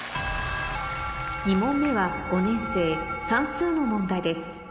２問目は５年生算数の問題です